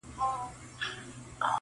کورنۍ دننه سختيږي ډېر-